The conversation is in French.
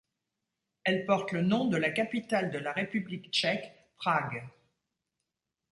Elle porte le nom de la capitale de la République tchèque, Prague.